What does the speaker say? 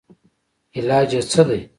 علاج ئې څۀ دے